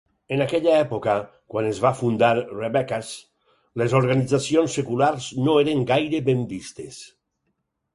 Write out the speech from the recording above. En aquella època, quan es va fundar Rebekahs, les organitzacions seculars no eren gaire ben vistes.